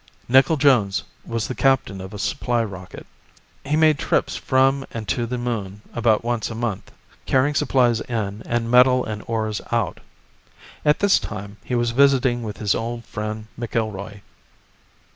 Nickel Jones was the captain of a supply rocket. He made trips from and to the Moon about once a month, carrying supplies in and metal and ores out. At this time he was visiting with his old friend McIlroy.